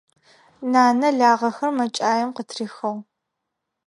Нанэ лагъэхэр мэкӀаем къытрихыгъ.